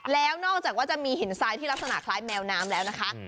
แล้วนอกจากว่าจะมีหินทรายที่ลักษณะคล้ายแมวน้ำแล้วนะคะ